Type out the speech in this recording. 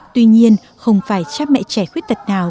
tuy nhiên không phải cha mẹ trẻ khuyết tật nào